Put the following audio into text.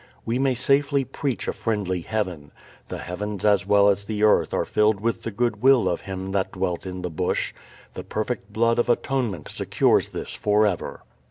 We may safely preach a friendly Heaven. The heavens as well as the earth are filled with the good will of Him that dwelt in the bush. The perfect blood of atonement secures this forever.